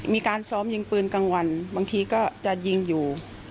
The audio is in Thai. มีการซ้อมยิงปืนกลางวันบางทีก็จะยิงอยู่